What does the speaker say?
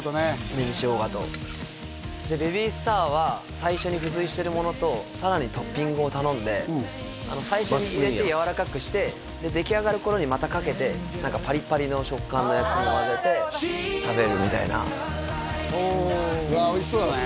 紅ショウガとベビースターは最初に付随してるものとさらにトッピングを頼んで最初に入れてやわらかくして出来上がる頃にまたかけてパリパリの食感のやつも混ぜて食べるみたいなうわおいしそうだね